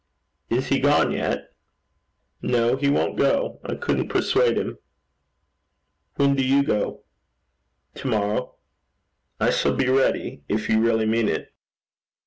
'Is he gone yet?' 'No. He won't go. I couldn't persuade him.' 'When do you go?' 'To morrow.' 'I shall be ready, if you really mean it.'